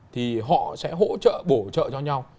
thì họ sẽ hỗ trợ bổ trợ cho nhau